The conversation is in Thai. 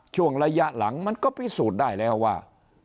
ช่วงระยะหลังมันก็พิสูจน์ได้แล้วว่า